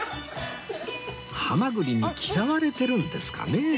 ハマグリに嫌われてるんですかね？